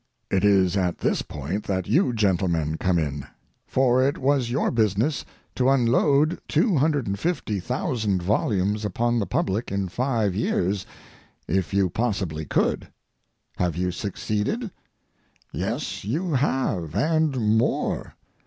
It is at this point that you gentlemen come in, for it was your business to unload 250,000 volumes upon the public in five years if you possibly could. Have you succeeded? Yes, you have—and more.